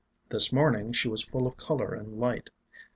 This morning she was full of color and light.